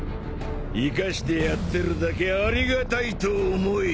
生かしてやってるだけありがたいと思え。